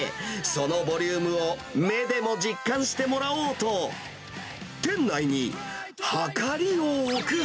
そのボリュームを目でも実感してもらおうと、えっ？